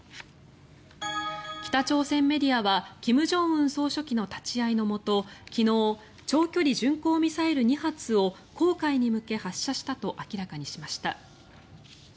北朝鮮メディアは金正恩総書記の立ち会いのもと昨日、長距離巡航ミサイル２発を黄海に向け発射したと明らかにしました。